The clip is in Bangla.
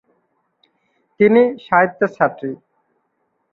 তিনি সাহিত্যের ছাত্রী।